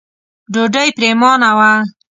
ډوډۍ پرېمانه وه.